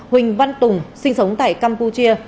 huỳnh văn tùng sinh sống tại campuchia